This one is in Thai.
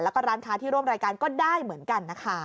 แล้วก็ร้านค้าที่ร่วมรายการก็ได้เหมือนกันนะคะ